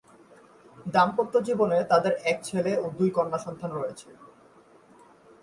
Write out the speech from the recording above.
দাম্পত্য জীবনে তাঁদের এক ছেলে ও দুই কন্যা সন্তান রয়েছে।